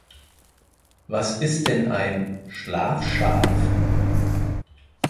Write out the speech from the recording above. Was ist denn ein "Schlafschaf"?